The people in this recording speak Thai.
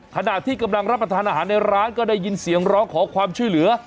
ขณะที่กำลังรับประทานอาหารในร้านก็ได้ยินเสียงร้องขอความช่วยเหลือ